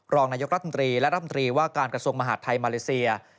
รองนายกรัฐมนตรีและรัฐมนตรีว่าการกระทรวงมหาดไทยมาเลเซีย